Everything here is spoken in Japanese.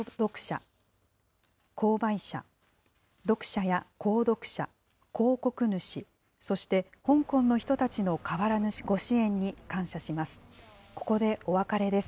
読者や購読者、広告主、そして香港の人たちの変わらぬご支援に感謝します。